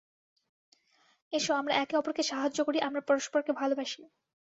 S, আমরা একে অপরকে সাহায্য করি, আমরা পরস্পরকে ভালবাসি।